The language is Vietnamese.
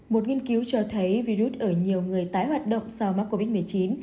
một nghiên cứu cho thấy virus ở nhiều người tái hoạt động sau mắc covid một mươi chín